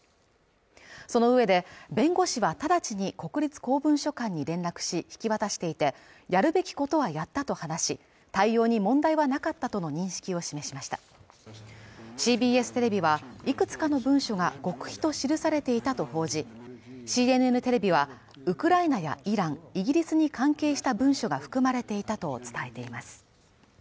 そのうえで弁護士は直ちに国立公文書館に連絡し引き渡していてやるべきことはやったと話し対応に問題はなかったとの認識を示しましたＣＢＳテレビはいくつかの文書が極秘と記されていたと報じＣＮＮテレビはウクライナやイラン、イギリスに関係した文書が含まれていたと伝えています